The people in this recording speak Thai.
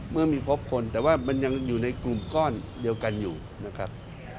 เมื่อมีพบคนแต่ว่ามันยังอยู่ในกลุ่มก้อนเดียวกันอยู่นะครับ